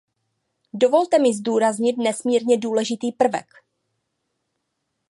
Dovolte mi zdůraznit nesmírně důležitý prvek.